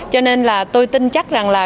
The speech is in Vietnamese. cho nên là tôi tin chắc rằng là